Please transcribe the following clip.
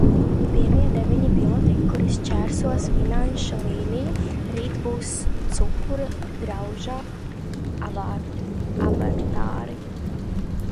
Pirmie deviņi piloti, kuri šķērsos finiša līniju, rīt būs Cukura drudža avatāri!